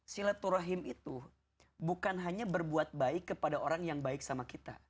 silaturahim itu bukan hanya berbuat baik kepada orang yang baik sama kita